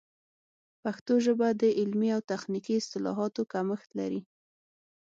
پښتو ژبه د علمي او تخنیکي اصطلاحاتو کمښت لري.